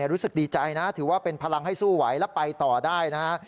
รู้สึกดีใจนะถือว่าเป็นพลังให้สู้ไหวและไปต่อได้นะฮะ